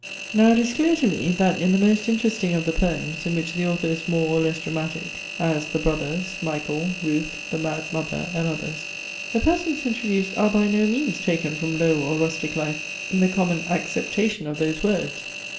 Now it is clear to me, that in the most interesting of the poems, in which the author is more or less dramatic, as THE BROTHERS, MICHAEL, RUTH, THE MAD MOTHER, and others, the persons introduced are by no means taken from low or rustic life in the common acceptation of those words!